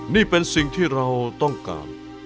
นี่เป็นสิ่งที่เราต้องการ